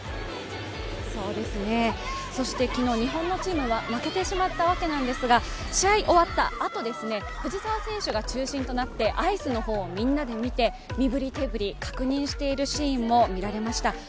昨日、日本のチームが負けてしまったわけですが、試合が終わったあと藤澤選手が中心となってアイスの方をみんなで見て身振り手振り、確認しているシーンも見られました。